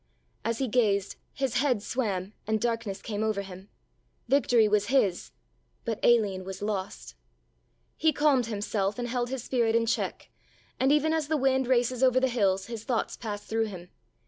As he gazed his head swam and darkness came over him. Victory was his, but Aline was lost. He calmed himself and held his spirit in check and even as the wind races over the hills, his thoughts passed through him.